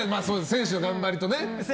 選手の頑張りとね。